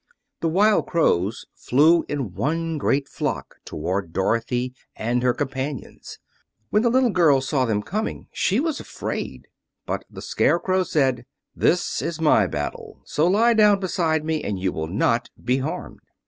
The wild crows flew in one great flock toward Dorothy and her companions. When the little girl saw them coming she was afraid. But the Scarecrow said, "This is my battle, so lie down beside me and you will not be harmed."